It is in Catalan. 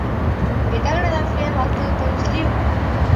Què t'agrada fer en el teu temps lliure?